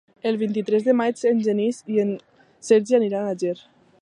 El vint-i-tres de maig en Genís i en Sergi aniran a Ger.